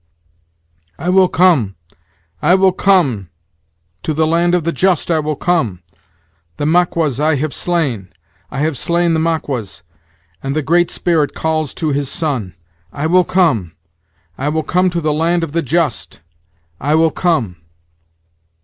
"I will come! I will come! to the land of the just I will come! The Maquas I have slain! I have slain the Maquas! and the Great Spirit calls to his son. I will come! I will come to the land of the just! I will come!"